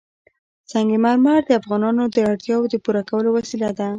سنگ مرمر د افغانانو د اړتیاوو د پوره کولو وسیله ده.